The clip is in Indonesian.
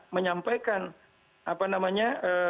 menyampaikan apa namanya